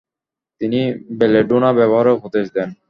তিনি “ বেলেডোনা” ব্যবহারের উপদেশ দেন।